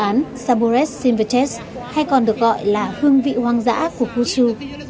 các đồng chí đã được gặp bởi dự án sabores sinvites hay còn được gọi là hương vị hoang dã của cuxu